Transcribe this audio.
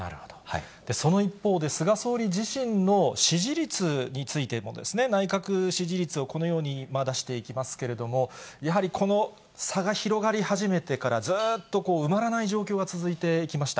その一方で、菅総理自身の支持率についてもですね、内閣支持率をこのように出していきますけれども、やはりこの差が広がり始めてから、ずーっと埋まらない状況が続いてきました。